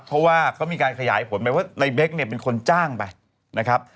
เพราะว่าเขามีการขยายผลไปว่าในเบคเนี่ยเป็นคนจ้างไปนะครับ